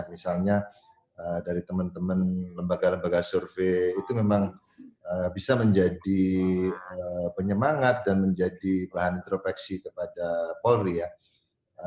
misalnya dari teman teman lembaga lembaga survei itu memang bisa menjadi penyemangat dan menjadi bahan intropeksi kepada polri ya